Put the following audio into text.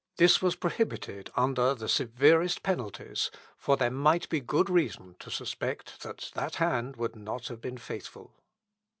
This was prohibited under the severest penalties; for there might be good reason to suspect that that hand would not have been faithful.